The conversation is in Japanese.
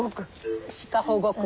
鹿保護区。